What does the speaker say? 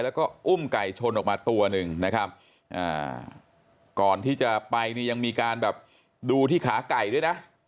แล้วก็อุ้มไก่ชนออกมาตัวหนึ่งนะครับก่อนที่จะไปนี่ยังมีการแบบดูที่ขาไก่ด้วยนะ